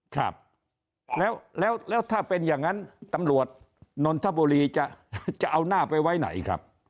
ครับแล้วแล้วถ้าเป็นอย่างนั้นตำรวจนนทบุรีจะเอาหน้าไปไว้ไหนครับ